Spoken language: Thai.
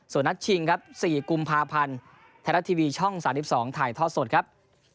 ส่วนนัดชิงครับซีกุมพาพรรณไทยรัตน์ทีวีช่องสากสิบสองถ่ายทอดสดครับ